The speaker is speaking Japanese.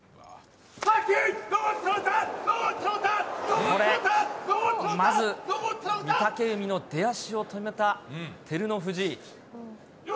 これ、まず御嶽海の出足を止めた照ノ富士。